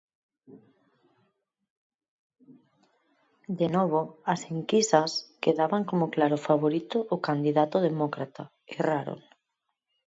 De novo, as enquisas, que daban como claro favorito o candidato demócrata, erraron.